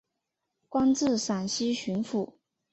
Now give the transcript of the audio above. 官至陕西巡抚。